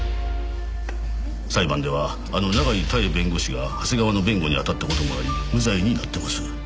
裁判ではあの永井多恵弁護士が長谷川の弁護にあたった事もあり無罪になっています。